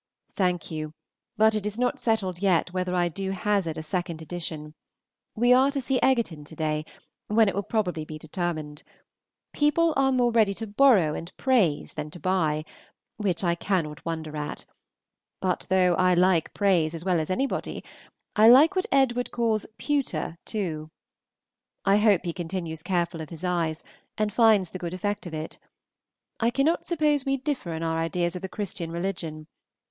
Thank you, but it is not settled yet whether I do hazard a second edition. We are to see Egerton to day, when it will probably be determined. People are more ready to borrow and praise than to buy, which I cannot wonder at; but though I like praise as well as anybody, I like what Edward calls "Pewter" too. I hope he continues careful of his eyes, and finds the good effect of it. I cannot suppose we differ in our ideas of the Christian religion.